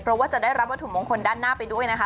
เพราะว่าจะได้รับวัตถุมงคลด้านหน้าไปด้วยนะคะ